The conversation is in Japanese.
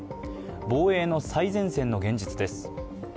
防衛の最前線の現実です。